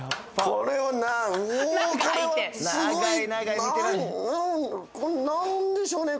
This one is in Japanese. これなんでしょうね？